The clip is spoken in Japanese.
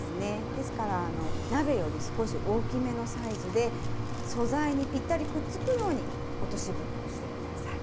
ですから鍋より少し大きめのサイズで素材にぴったりくっつくように落としぶたをしてください。